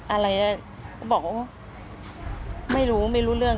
อะไรก็บอกว่าไม่รู้ไม่รู้เรื่อง